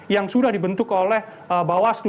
yang sudah dibentuk oleh bawaslu